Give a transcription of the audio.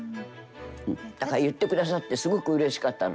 だから言ってくださってすごくうれしかったの。